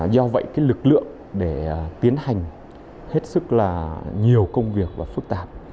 do vậy lực lượng để tiến hành hết sức là nhiều công việc và phức tạp